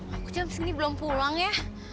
aku jam segini belum pulang ya